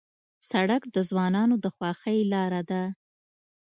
سړک د ځوانانو د خوښۍ لاره ده.